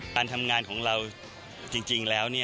การทำงานของเราจริงแล้ว